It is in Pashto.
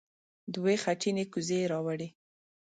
دوې خټينې کوزې يې راوړې.